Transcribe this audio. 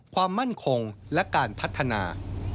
ความมั่นคงและการพัฒนา